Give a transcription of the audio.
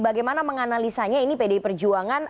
bagaimana menganalisanya ini pdi perjuangan